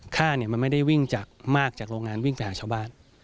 ค่าเนี่ยมันไม่ได้วิ่งจากมากจากโรงงานวิ่งไปหาชาวบ้าน